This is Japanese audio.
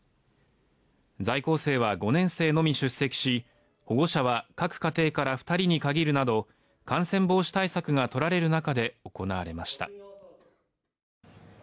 在校生は５年生のみ出席し保護者は各家庭から２人に限るなど感染防止対策が取られる中で行われました。